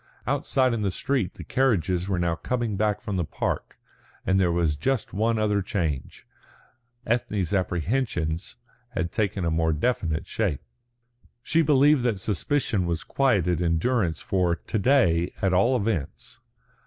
Outside in the street the carriages were now coming back from the park, and there was just one other change. Ethne's apprehensions had taken a more definite shape. She believed that suspicion was quieted in Durrance for to day, at all events.